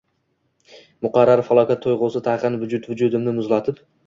Muqarrar falokat tuyg‘usi tag‘in vujud-vujudimni muzlatib